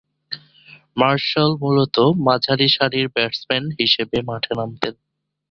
Martial মূলতঃ মাঝারিসারির batsman হিসেবে মাঠে নামতেন।